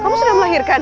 kamu sudah melahirkan